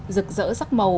rực rỡ sắc màu